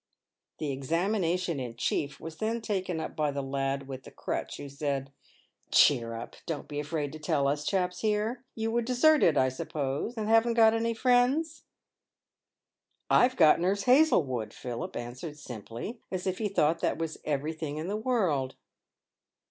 The examination in chief was then taken up by the lad with the crutch, who said :" Cheer up, don't be afraid to tell us chaps here. You were deserted, I suppose, and haven't got any friends ?"" I've got Nurse Hazlewood," Philip answered, simply, as if he thought that was everything in the world.